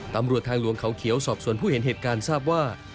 ตำรวจทางหลวงเขาเขียวสอบส่วนผู้เห็นเหตุการณ์ทราบว่า